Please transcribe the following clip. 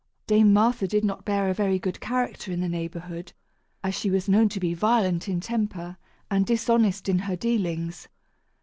Dame Martha did not bear a very good character in the neighborhood, as she was known to be violent in temper and dishonest in her dealings.